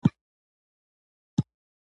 د قومي نفوذ خاوندانو.